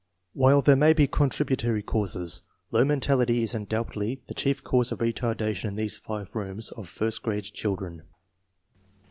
While there may be contributory causes, low mentality is undoubtedly the chief cause of retardation in these five rooms of first grade children.